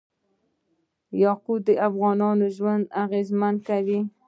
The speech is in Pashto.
یاقوت د افغانانو ژوند اغېزمن کوي.